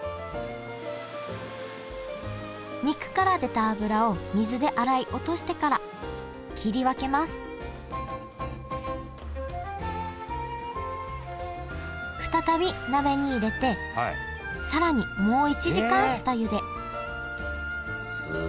肉から出た脂を水で洗い落としてから切り分けます再び鍋に入れて更にもう一時間下ゆですごい。